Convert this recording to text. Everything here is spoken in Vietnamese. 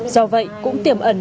do vậy cũng tiềm ẩn